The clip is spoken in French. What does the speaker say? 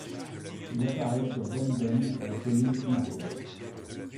Il apparaît sur Benben, la colline primordiale.